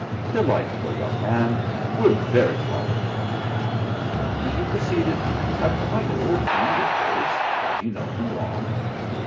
"Delightful young man; we're very fond of him." And he proceeded: "I'm quite an old friend of his; have you known him long?"